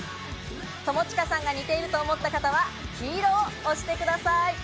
友近さんが似ていると思った方は黄色を押してください。